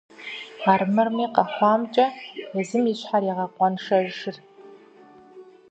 Армырми, къэхъуамкӏэ езым и щхьэрт игъэкъуэншэжыр.